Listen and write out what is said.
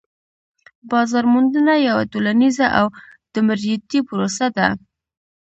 بازار موندنه یوه ټولنيزه او دمدریتی پروسه ده